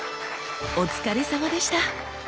お疲れさまでした！